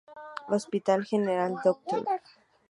Hospital General Dr.